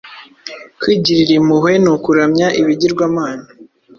Kwigirira impuhwe ni ukuramya ibigirwamana –